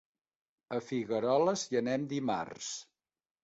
A Figueroles hi anem dimarts.